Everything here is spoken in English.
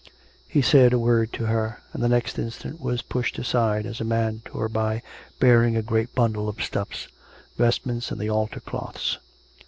He said a word to her; and the next instant was pushed aside, as a man tore by bearing a great bundle of stuffs — vestments and the altar cloths.